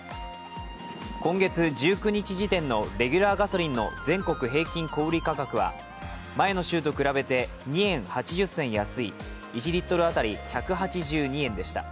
今月１９日時点のレギュラーガソリンの全国平均小売価格は前の週と比べて２円８０銭安い１リットル当たり１８２円でした。